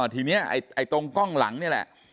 ทีนี้ตรงกล้องหลังนี่แหละ